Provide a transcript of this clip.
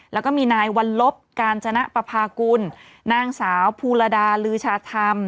แล้วก็มีนายวัลลบกาญจนปภากุลนางสาวภูลดาลือชาธรรม